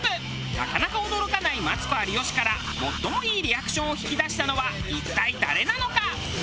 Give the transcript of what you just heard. なかなか驚かないマツコ有吉から最もいいリアクションを引き出したのは一体誰なのか？